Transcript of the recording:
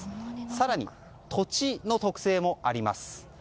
更に、土地の特性もあります。